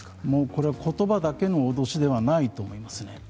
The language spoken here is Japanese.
これは言葉だけの脅しではないと思いますね。